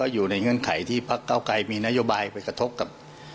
เงื่อนไขที่พักเก้าไกรมีนโยบายไปกระทบกับ